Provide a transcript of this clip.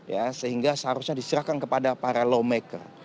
ya sehingga seharusnya diserahkan kepada para lawmaker